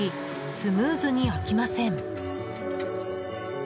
スムーズに開きません。